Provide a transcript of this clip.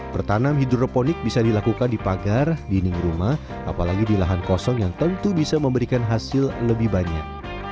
pertanam hidroponik bisa dilakukan di pagar dinding rumah apalagi di lahan kosong yang tentu bisa memberikan hasil lebih banyak